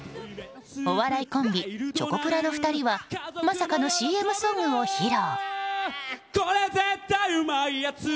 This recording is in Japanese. お笑いコンビチョコプラの２人はまさかのＣＭソングを披露。